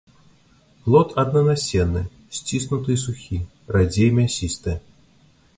Плод аднанасенны, сціснуты і сухі, радзей мясісты.